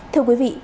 thưa quý vị